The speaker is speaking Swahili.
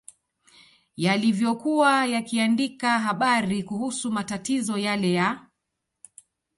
yalivyokuwa yakiandika habari kuhusu matatizo yale ya